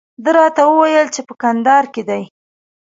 ده راته وویل چې په کندهار کې دی.